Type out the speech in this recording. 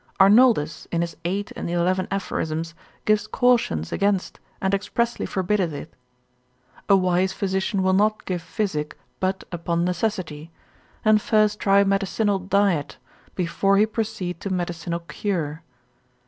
Arnoldus in his 8 and 11 Aphorisms gives cautions against, and expressly forbiddeth it. A wise physician will not give physic, but upon necessity, and first try medicinal diet, before he proceed to medicinal cure.